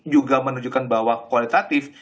juga menunjukkan bahwa kualitatif